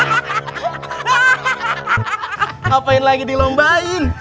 ngapain lagi dilombain